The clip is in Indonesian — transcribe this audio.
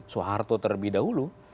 soeharto terlebih dahulu